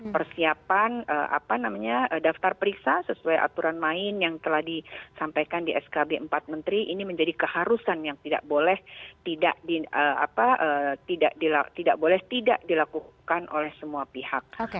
persiapan daftar periksa sesuai aturan main yang telah disampaikan di skb empat menteri ini menjadi keharusan yang tidak boleh tidak boleh tidak dilakukan oleh semua pihak